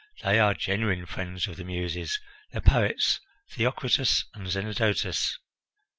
They are genuine friends of the Muses the poets Theocritus and Zenodotus."